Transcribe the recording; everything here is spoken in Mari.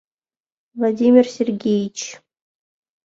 Владимир Сергеич!..